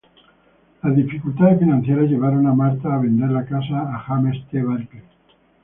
Las dificultades financieras llevaron a Martha a vender la casa a James T. Barclay.